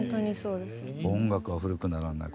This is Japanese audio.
音楽は古くならない。